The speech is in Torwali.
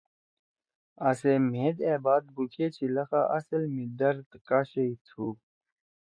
آسے مھید أ بات بُوکھے چھی لخا اصل می ”درد“ کا شیئی تُھو؟